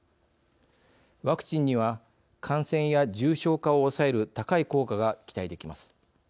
ワクチンには感染や重症化を抑える高い効果が期待できます。